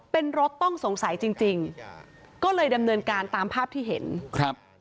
เป็นรถต้องสงสัยจริงจริงก็เลยดำเนินการตามภาพที่เห็นครับ